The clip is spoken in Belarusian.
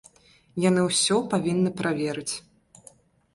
Яны ўсё павінны праверыць.